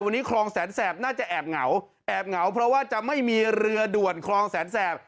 วันนี้คลองแสนแสบน่าจะแอบเหงาแอบเหงาเพราะว่าจะไม่มีเรือด่วนคลองแสนแสบ